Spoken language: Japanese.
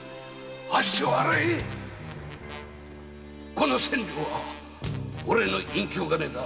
この千両はおれの隠居金だ。